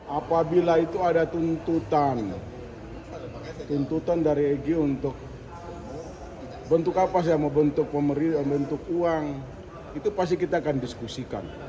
apabila itu ada tuntutan tuntutan dari eg untuk bentuk apa saya mau bentuk uang itu pasti kita akan diskusikan